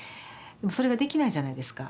それができないじゃないですか